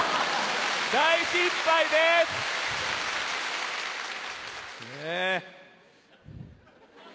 大失敗です！ね。